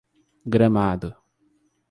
Gramado